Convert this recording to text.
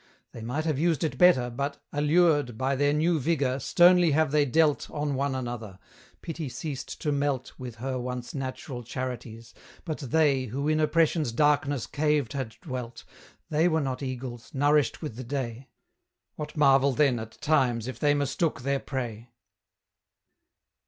They might have used it better, but, allured By their new vigour, sternly have they dealt On one another; Pity ceased to melt With her once natural charities. But they, Who in Oppression's darkness caved had dwelt, They were not eagles, nourished with the day; What marvel then, at times, if they mistook their prey?